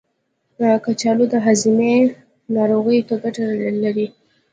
کچالو د هاضمې ناروغیو ته ګټه لري.